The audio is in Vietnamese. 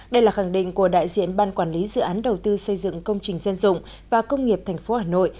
đây là khẳng định của đại diện ban quản lý dự án đầu tư xây dựng công trình dân dụng và công nghiệp tp hà nội